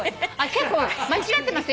「結構間違ってますよ」